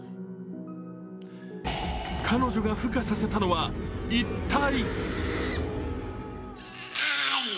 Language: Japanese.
彼女がふ化させたのは一体？